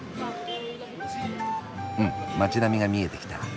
うん街並みが見えてきた。